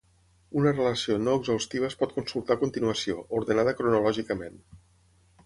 Una relació no exhaustiva es pot consultar a continuació, ordenada cronològicament.